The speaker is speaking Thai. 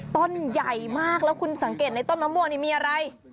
ต้นใหญ่มากแล้วคุณสังเกตในต้นมะม่วงนี่มีอะไร